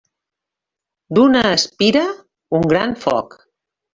D'una espira, un gran foc.